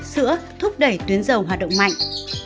sữa thúc đẩy tuyến dầu hoạt động mạnh